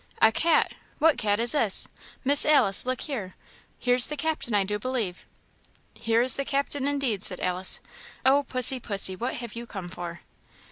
"A cat! What cat is this? Miss Alice! look here! here's the Captain I do believe." "Here is the Captain, indeed," said Alice. "Oh, pussy, pussy, what have you come for?"